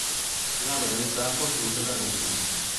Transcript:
La regalità fu assunta da Isin.